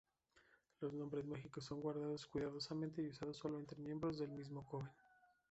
Los nombres mágicos son guardados cuidadosamente y usados sólo entre miembros del mismo coven.